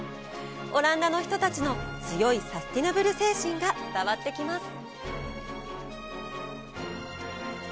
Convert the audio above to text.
オランダの人たちの強いサスティナブル精神が伝わってきます。